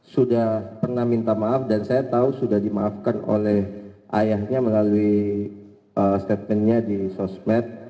sudah pernah minta maaf dan saya tahu sudah dimaafkan oleh ayahnya melalui statementnya di sosmed